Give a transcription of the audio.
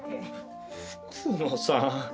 福野さん！